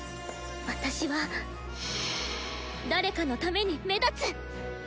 私は「誰かのために目立つ」！